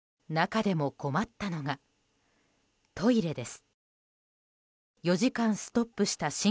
中でも困ったのがトイレです。